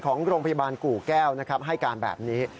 ของโรงพยาบาลกู่แก้วนะครับให้การแบบนี้